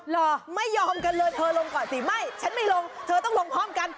เหรอไม่ยอมกันเลยเธอลงก่อนสิไม่ฉันไม่ลงเธอต้องลงพร้อมกัน